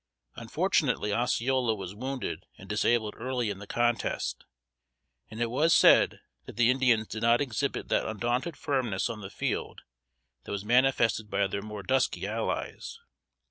Unfortunately, Osceola was wounded and disabled early in the contest, and it was said that the Indians did not exhibit that undaunted firmness on the field that was manifested by their more dusky allies.